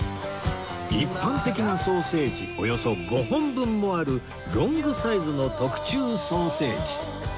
一般的なソーセージおよそ５本分もあるロングサイズの特注ソーセージ